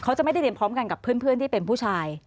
เขาจะไม่ได้เรียนพร้อมกันกับเพื่อนที่เป็นผู้ชาย